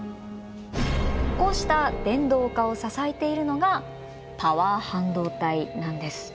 こうした電動化を支えているのがパワー半導体なんです。